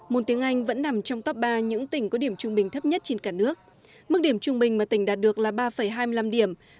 môn tiếng anh vẫn nằm trong top ba những tỉnh có điểm trung bình thấp nhất trên cả nước mức điểm trung bình mà tỉnh đạt được là ba hai mươi năm điểm